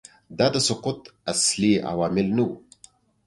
دا د سقوط اصلي عوامل نه وو